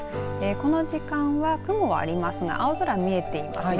この時間は雲もありますが青空見えていますね。